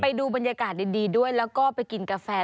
ไปดูบรรยากาศดีด้วยแล้วก็ไปกินกาแฟ